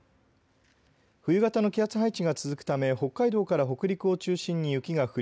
冬型の気圧配置が続くため北海道から北陸を中心に雪が降り